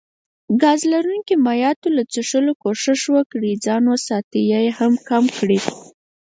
ګاز لرونکو مايعاتو له څښلو کوښښ وکړي ځان وساتي يا يي هم کم کړي